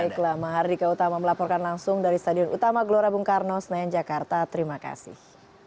baiklah mahardika utama melaporkan langsung dari stadion utama gelora bung karno senayan jakarta terima kasih